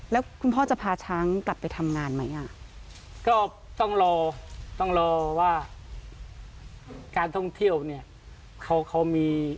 แล้วคุณพ่อจะพาช้างกลับไปทำงานไหม